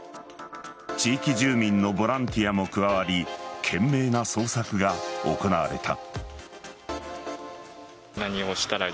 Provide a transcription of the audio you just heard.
地域住民のボランティアも加わり懸命な捜索が行われた。